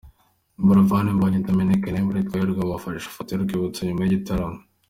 Buravani, Mbonyi, Dominic na Aimable Twahirwa bafashe ifoto y'urwibutso nyuma y'igitaramo.